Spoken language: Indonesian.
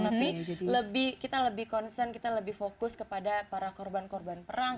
tapi kita lebih concern kita lebih fokus kepada para korban korban perang